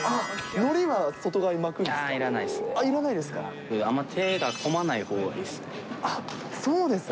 のりは外側に巻くんですか？